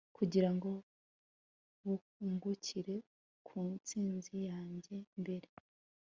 kugira ngo bungukire ku ntsinzi yanjye mbere